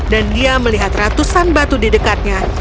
dan dia melihat ratusan batu di dekatnya